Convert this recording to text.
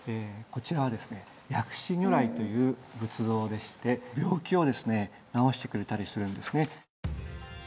こちらはですね薬師如来という仏像でして病気をですね治してくれたりするんですね。